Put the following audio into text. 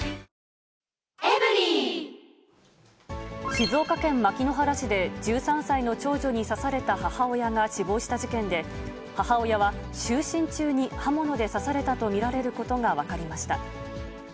静岡県牧之原市で、１３歳の長女に刺された母親が死亡した事件で、母親は就寝中に刃物で刺されたと見られることが分かりました。